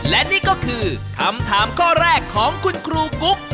และนี่ก็คือคำถามข้อแรกของคุณครูกุ๊ก